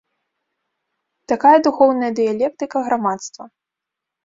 Такая духоўная дыялектыка грамадства.